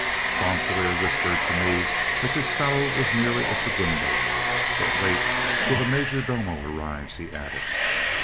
Sponsilier whispered to me that this fellow was merely a segundo. "But wait till the 'major domo' arrives," he added.